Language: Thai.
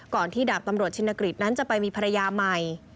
ที่ดาบตำรวจชินกฤษนั้นจะไปมีภรรยาใหม่